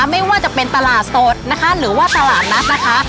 ไม่ว่าจะเป็นตลาดสดนะคะหรือว่าตลาดนัดนะคะ